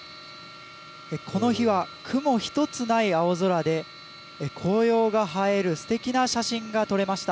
この日は雲一つない青空で紅葉が映えるすてきな写真が撮れました。